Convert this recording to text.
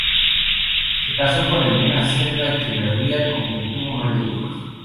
Se casó con Elena Cerda Echeverría, con quien tuvo nueve hijos.